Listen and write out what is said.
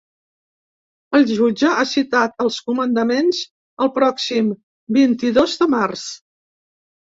El jutge ha citat els comandaments el pròxim vint-i-dos de març.